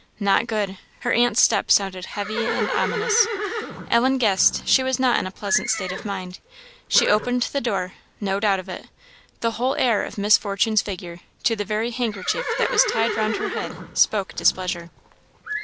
Not good; her aunt's step sounded heavy and ominous; Ellen guessed she was not in a pleasant state of mind. She opened the door no doubt of it the whole air of Miss Fortune's figure, to the very handkerchief that was tied round her head, spoke displeasure.